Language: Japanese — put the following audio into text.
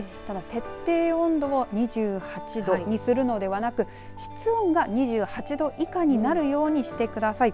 設定温度は２８度にするのではなく室温が２８度以下になるようにしてください。